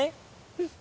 うん。